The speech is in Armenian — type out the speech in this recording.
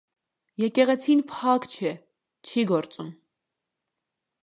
Եկեղեցին փակ է, չի գործում։